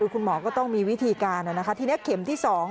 คุณหมอก็ต้องมีวิธีการนะคะทีนี้เข็มที่๒